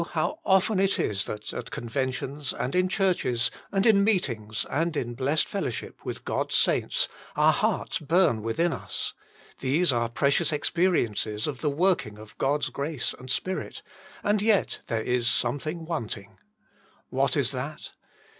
how often it is that at Conventions and 14 Jesu% Himself, in churches, and in meetings and in blessed fellowship with God's saints, our hearts bum within us. These are precious experiences of the working of God's grace and Spirit, and yet there is something wanting. What is that?